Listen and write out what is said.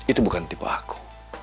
itu bukan tipu aku